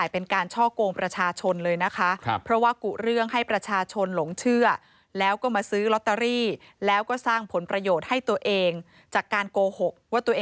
เพราะถอยปั๊บ